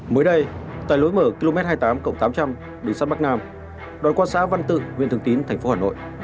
mới đây tại lối mở km hai mươi tám tám trăm linh đường sắt bắc nam đoàn quan xã văn tự nguyên thường tín tp hà nội